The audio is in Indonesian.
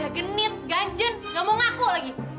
udah genit ganjen gak mau ngaku lagi